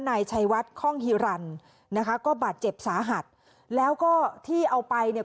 นายชัยวัดคล่องฮิรันนะคะก็บาดเจ็บสาหัสแล้วก็ที่เอาไปเนี่ย